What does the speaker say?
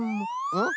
うん？